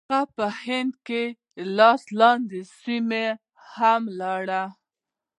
هغه په هند کې لاس لاندې سیمې هم لري.